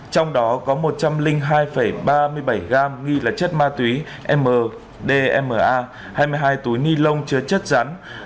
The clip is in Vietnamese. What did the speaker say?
trong đó có một trăm linh hai ba mươi bảy gram nghi là chất ma túy mdma hai mươi hai túi ni lông chứa chất rắn